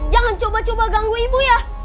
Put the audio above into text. jangan coba coba ganggu ibu ya